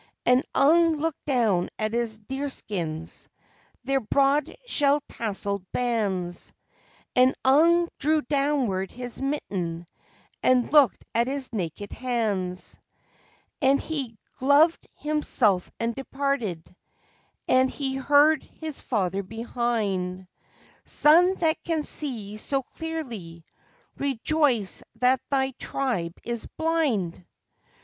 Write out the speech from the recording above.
And Ung looked down at his deerskins their broad shell tasselled bands And Ung drew downward his mitten and looked at his naked hands; And he gloved himself and departed, and he heard his father, behind: "Son that can see so clearly, rejoice that thy tribe is blind!"